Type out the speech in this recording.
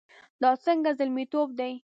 دا څنګه زلميتوب دی؟